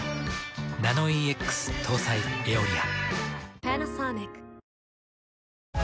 ナノイーＸ搭載「エオリア」。